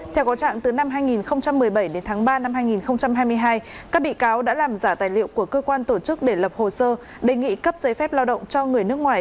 theo có trạng từ năm hai nghìn một mươi bảy đến tháng ba năm hai nghìn hai mươi hai các bị cáo đã làm giả tài liệu của cơ quan tổ chức để lập hồ sơ đề nghị cấp giấy phép lao động cho người nước ngoài